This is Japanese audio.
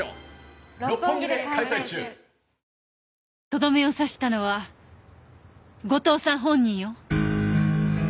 とどめを刺したのは後藤さん本人よ。